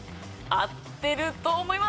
合ってると思います。